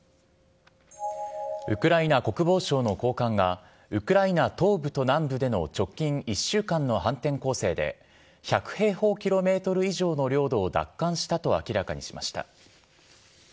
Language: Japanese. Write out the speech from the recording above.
ウクライナ国防省の高官が、ウクライナ東部と南部での直近１週間の反転攻勢で、１００平方キロメートル以上の領土を奪還したと明らかにしました。